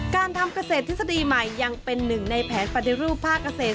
การทำเกษตรทฤษฎีใหม่ยังเป็นหนึ่งในแผนปฏิรูปภาคเกษตร